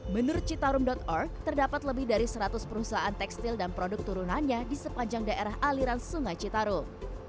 menurut citarum org terdapat lebih dari seratus perusahaan tekstil dan produk turunannya di sepanjang daerah aliran sungai citarum